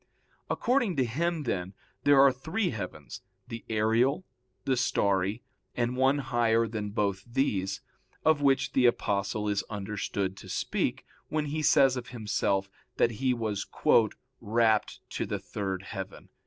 According to him, then, there are three heavens, the aerial, the starry, and one higher than both these, of which the Apostle is understood to speak when he says of himself that he was "rapt to the third heaven."